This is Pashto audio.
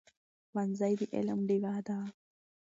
ښوونځی د علم ډېوه ده.